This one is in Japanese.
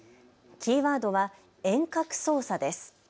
キーワードは遠隔操作です。